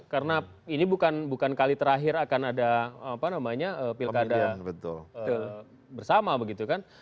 karena ini bukan kali terakhir akan ada pilkada bersama begitu kan